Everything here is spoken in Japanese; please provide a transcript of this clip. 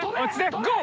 ゴー！